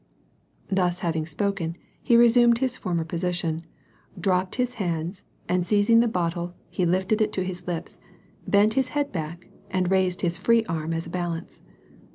" Thus Kaving spoken, he resumed his former position, dropped his hands, and seizing the bottle he lifted it to his lips, bent his head back and raised his free arm as a balance.